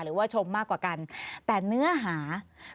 หรือว่าชมมากกว่ากันแต่เนื้อหา